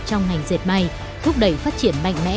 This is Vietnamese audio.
trong ngành dệt may thúc đẩy phát triển mạnh mẽ